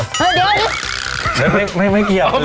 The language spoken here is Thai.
ไม่เกี่ยวเลยครับ